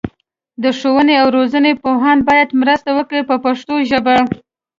د ښوونې او روزنې پوهان باید مرسته وکړي په پښتو ژبه.